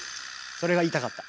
それが言いたかった。